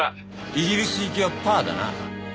イギリス行きはパーだな。